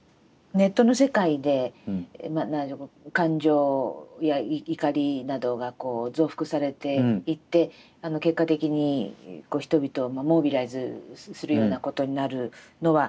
ネットの世界で感情や怒りなどが増幅されていって結果的に人々をモビライズするようなことになるのは